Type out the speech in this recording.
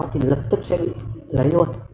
thì lập tức sẽ bị lấy luôn